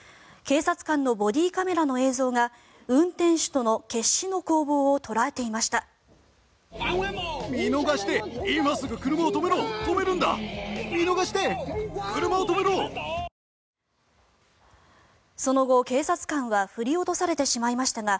警察官のボディーカメラの映像が運転手との決死の攻防を捉えていました。